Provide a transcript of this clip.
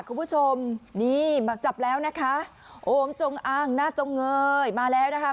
คุณผู้ชมนี่จับแล้วนะคะโอมจงอ้างหน้าจงเงยมาแล้วนะคะ